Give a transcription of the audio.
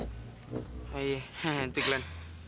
oh iya itu glenn